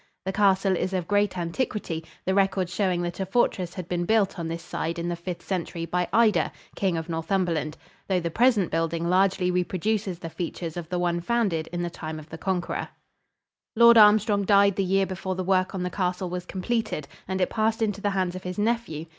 The castle is of great antiquity, the records showing that a fortress had been built on this side in the Fifth Century by Ida, King of Northumberland, though the present building largely reproduces the features of the one founded in the time of the Conqueror. [Illustration: BAMBOROUGH CASTLE, NORTHUMBERLAND.] Lord Armstrong died the year before the work on the castle was completed and it passed into the hands of his nephew.